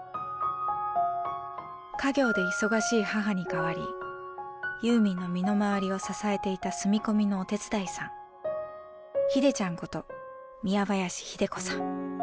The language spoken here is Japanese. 家業で忙しい母に代わりユーミンの身の周りを支えていた住み込みのお手伝いさん秀ちゃんこと宮林秀子さん。